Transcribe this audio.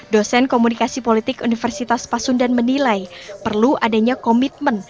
dosen komunikasi politik universitas pasundan menilai perlu adanya komitmen